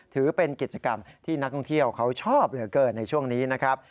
ถือเป็นกิจกรรมที่นักท่องเที่ยวเขาชอบเหลือเกินในช่วงนี้นะครับ